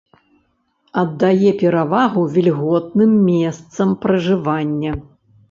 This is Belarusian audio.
Аддае перавагу вільготным месцам пражывання.